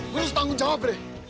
gue harus tanggung jawab deh